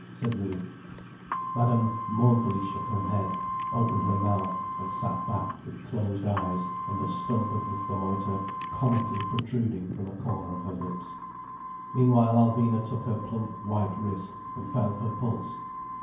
said Louis. Madame mournfully shook her head, opened her mouth, and sat back with closed eyes and the stump of the thermometer comically protruding from a corner of her lips. Meanwhile Alvina took her plump white wrist and felt her pulse.